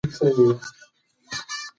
په ډېرو سیمو کې خلک په خیمه کې اوسیږي.